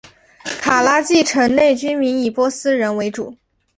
卡拉季城内居民以波斯人为主。